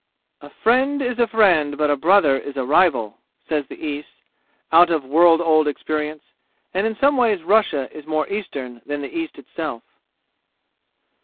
"A friend is a friend, but a brother is a rival," says the East, out of world old experience, and in some ways Russia is more eastern than the East itself.